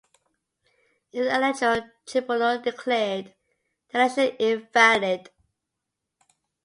An electoral tribunal declared the election invalid.